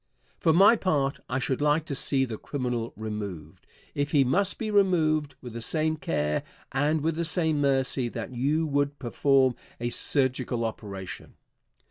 For my part, I should like to see the criminal removed, if he must be removed, with the same care and with the same mercy that you would perform a surgical operation.